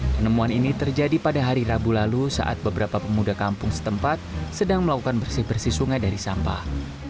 penemuan ini terjadi pada hari rabu lalu saat beberapa pemuda kampung setempat sedang melakukan bersih bersih sungai dari sampah